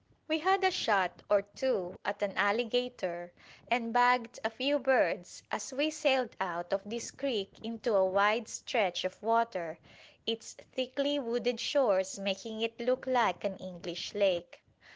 We had a shot or two at an alligator and bagged a few birds as we sailed out of this creek into a wide stretch of water, its thickly wooded shores making it look like an English lake.